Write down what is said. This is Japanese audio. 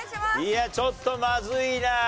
いやちょっとまずいな。